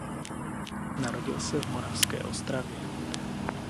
Narodil se v Moravské Ostravě.